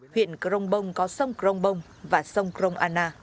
huyện crong bông có sông crong bông và sông krong anna